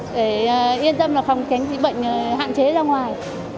để yên tâm là không tránh bệnh hạn chế ra ngoài